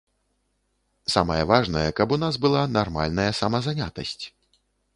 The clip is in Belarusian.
Самае важнае, каб у нас была нармальная самазанятасць.